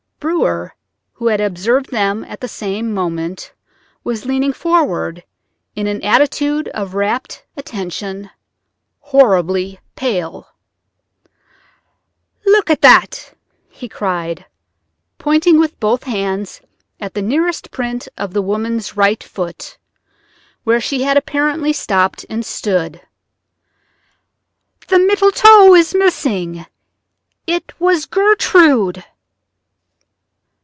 Brewer, who had observed them at the same moment, was leaning forward in an attitude of rapt attention, horribly pale. "Look at that!" he cried, pointing with both hands at the nearest print of the woman's right foot, where she had apparently stopped and stood. "The middle toe is missing—it was Gertrude!"